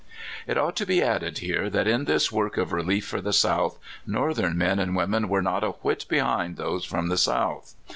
It ought to be added here that, in this work of relief for the South, Northern men and w^omen were not a whit behind those from the South.